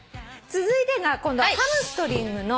続いてがハムストリングの。